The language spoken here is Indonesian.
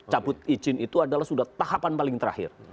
cabut izin itu adalah sudah tahapan paling terakhir